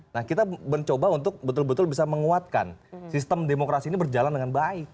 nah kita mencoba untuk betul betul bisa menguatkan sistem demokrasi ini berjalan dengan baik